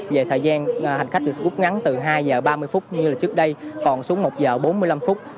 về thời gian hành khách được hút ngắn từ hai giờ ba mươi phút như là trước đây còn xuống một giờ bốn mươi năm phút